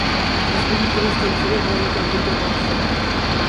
Республикӑри станцире волонтерсемпе паллашрӑм.